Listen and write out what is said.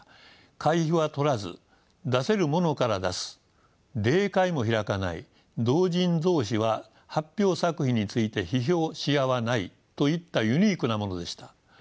会費は取らず出せる者から出す例会も開かない同人同士は発表作品について批評し合わないといったユニークなものでした。